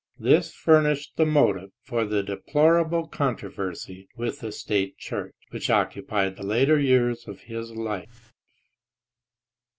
This furnished the motive for the deplorable controversy with the state church, which occupied the latter years of his life.